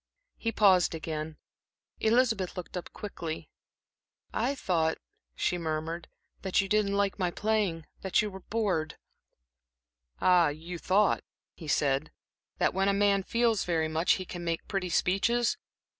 He paused again. Elizabeth looked up quickly. "I thought," she murmured, "that you didn't like my playing, that you were bored" "Ah, you thought," he said, "that when a man feels very much, he can make pretty speeches?